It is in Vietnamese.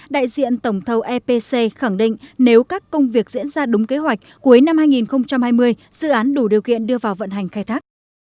đại diện tổng thầu epc khẳng định nếu các công việc diễn ra đúng kế hoạch cuối năm hai nghìn hai mươi dự án đủ điều kiện đưa vào vận hành khai thác